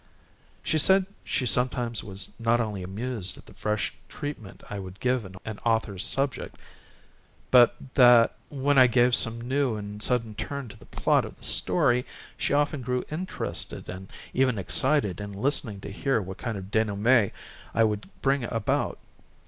She said she not only was sometimes amused at the fresh treatment I would give an author's subject, but, when I gave some new and sudden turn to the plot of the story, often grew interested and even excited in listening to hear what kind of a denouement I would bring about.